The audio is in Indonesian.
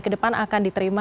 ke depan akan ditentukan